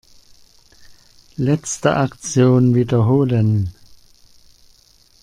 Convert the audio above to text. Letzte Aktion wiederholen.